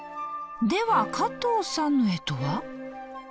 では加藤さんの干支は？